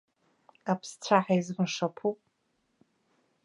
Аԥсцәаҳа изы мшаԥуп.